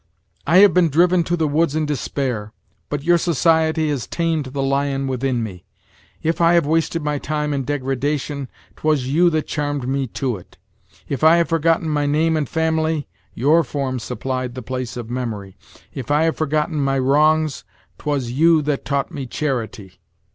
"I have been driven to the woods in despair, but your society has tamed the lion within me. If I have wasted my time in degradation, 'twas you that charmed me to it. If I have forgotten my name and family, your form supplied the place of memory. If I have forgotten my wrongs, 'twas you that taught me charity.